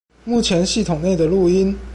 目前系統內的錄音